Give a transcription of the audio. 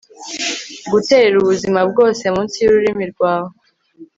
Guterera ubuzima bwose munsi yururimi rwawe